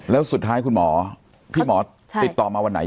แล้วสุดท้ายคุณหมอพี่หมอติดต่อมาวันไหน